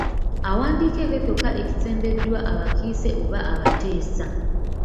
Awandiika ekyo kyokka ekisembeddwa abakiise oba abateesa.